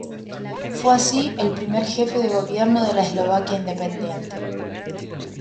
Fue así el primer jefe de gobierno de la Eslovaquia independiente.